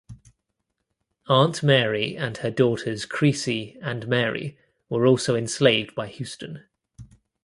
Aunt Mary and her daughters Creasy and Mary were also enslaved by Houston.